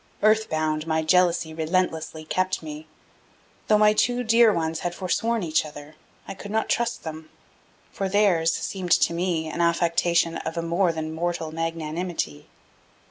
"Earth bound" my jealousy relentlessly kept me. Though my two dear ones had forsworn each other, I could not trust them, for theirs seemed to me an affectation of a more than mortal magnanimity.